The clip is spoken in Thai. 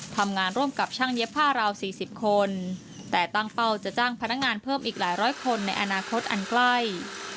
ทำงานร่วมกับช่างเย็บผ้าราว๔๐คนแต่ตั้งเป้าจะจ้างพนักงานเพิ่มอีกหลายร้อยคนในอนาคตอันใกล้